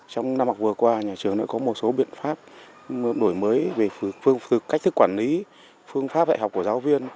trong năm học vừa qua nhà trường đã có một số biện pháp đổi mới về phương cách thức quản lý phương pháp dạy học của giáo viên